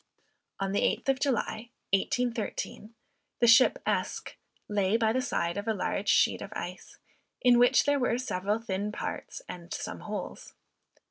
On the eighth of July, 1813, the ship Esk lay by the edge of a large sheet of ice, in which there were several thin parts, and some holes.